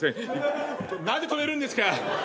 何で止めるんですか？